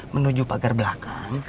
menuju pagar belakang